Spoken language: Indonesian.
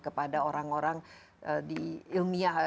kepada orang orang di ilmiah